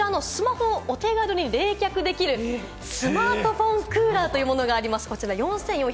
まずはこちらのスマホをお手軽に冷却できるスマートフォンクーラーというものがあります。